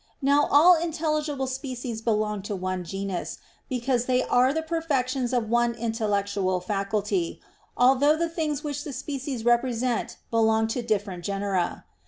Now all intelligible species belong to one genus, because they are the perfections of one intellectual faculty: although the things which the species represent belong to different genera.